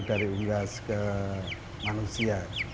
dari unggas ke manusia